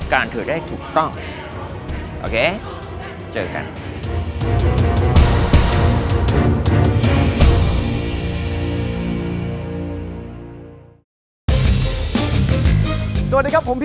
รายการต่อไปนี้เหมาะสำหรับผู้ชมที่มีอายุ๑๓ปีควรได้รับคำแนะนำ